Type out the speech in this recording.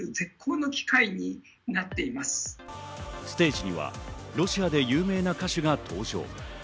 ステージにはロシアで有名な歌手が登場。